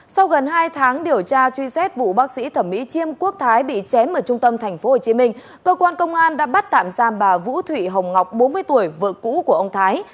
sau gần hai tháng điều tra truy xét vụ bác sĩ thẩm mỹ chiêm quốc thái bị chém ở trung tâm tp hcm cơ quan công an đã bắt tạm giam bà vũ thị hồng ngọc bốn mươi tuổi vợ cũ của ông thái